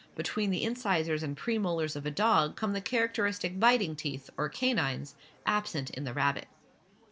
Between the incisors and premolars of a dog come the characteristic biting teeth, or canines, absent in the rabbit.